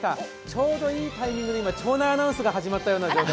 ちょうどいいタイミングで今、町内アナウンスが始まりました。